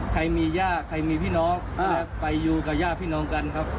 ใครมีย่าใครมีพี่น้องไปอยู่กับย่าพี่น้องกันครับ